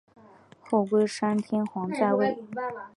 后龟山天皇在位。